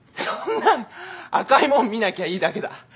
そんなん赤いもん見なきゃいいだけだ。